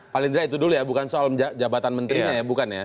pak indra itu dulu ya bukan soal jabatan menterinya ya